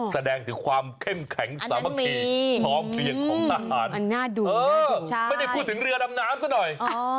แสดงถึงความเข้มแข็งสามัคคีพร้อมเพลียงของทหารมันน่าดูไม่ได้พูดถึงเรือดำน้ำซะหน่อย